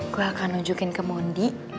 gue akan nunjukin ke mondi